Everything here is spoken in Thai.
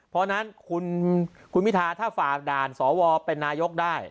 เพราะฉะนั้นคุณพิทาถ้าฝากด่านสวเป็นนายกได้